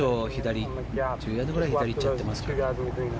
１０ヤードぐらい左に行っちゃっていますから。